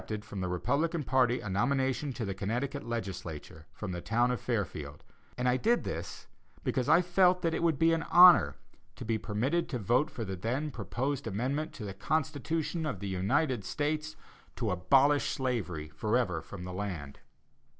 _] from the Republican party a nomination to the Connecticut legislature from the town of Fairfield, and I did this because I felt that it would be an honor to be permitted to vote for the then proposed amendment to the Constitution of the United States to abolish slavery forever from the land.